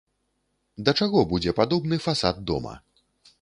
Да чаго будзе падобны фасад дома?